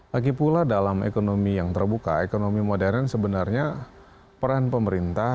lagi pula dalam ekonomi yang terbuka ekonomi modern sebenarnya peran pemerintah